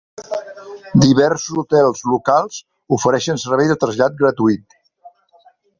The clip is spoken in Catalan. Diversos hotels locals ofereixen servei de trasllat gratuït.